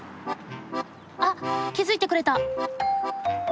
あっ気付いてくれた。